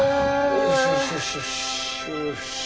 よしよしよし。